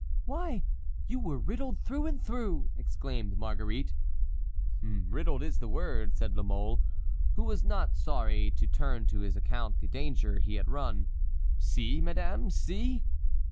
"Why, you were riddled through and through!" exclaimed Marguerite. "Riddled is the word!" said La Mole, who was not sorry to turn to his account the danger he had run. "See, madame, see!"